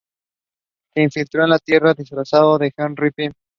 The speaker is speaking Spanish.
Se infiltró en la Tierra disfrazado de Henry Pym.